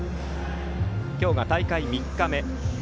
今日が大会３日目。